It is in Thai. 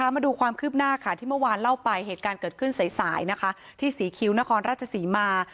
มาดูความคืบหน้าค่ะที่เมื่อวานเล่าไปเหตุการณ์เกิดขึ้นสายที่ศรีคิ้วนครราชศรีมา